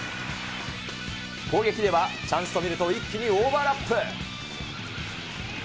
攻撃ではチャンスと見ると一気にオーバーラップ。